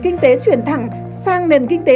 kinh tế chuyển thẳng sang nền kinh tế